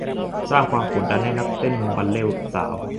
สร้างความกดดันให้นักเต้นบัลเลต์สาว